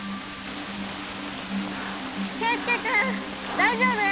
大丈夫？